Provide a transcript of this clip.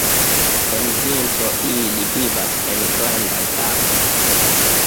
En vintro ili vivas en grandaj aroj.